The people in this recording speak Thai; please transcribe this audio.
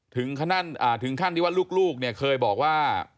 ถึงขั้นที่ว่าลูกเนี่ยเคยบอกว่า